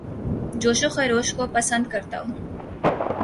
جوش و خروش کو پسند کرتا ہوں